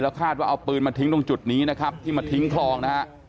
คาดว่าเอาปืนมาทิ้งตรงจุดนี้นะครับที่มาทิ้งคลองนะฮะ